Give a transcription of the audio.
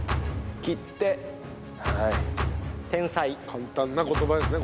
簡単な言葉ですね